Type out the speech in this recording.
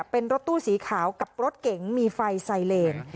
เป็นรถตู้สีขาวกับรถเก๋งมีไฟไซเลน